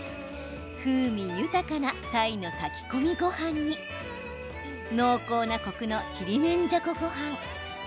風味豊かな鯛の炊き込みごはんに濃厚なコクのちりめんじゃこごはん。